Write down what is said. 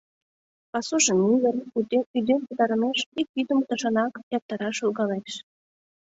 Пасужо мӱндыр, ӱден пытарымеш ик йӱдым тушанак эртараш логалеш.